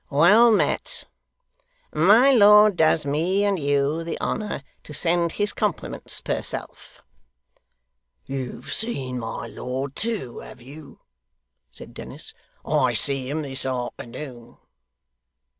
'Well met. My lord does me and you the honour to send his compliments per self.' 'You've seen my lord too, have you?' said Dennis. 'I see him this afternoon.